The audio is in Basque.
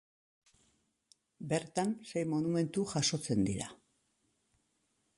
Bertan sei monumentu jasotzen dira.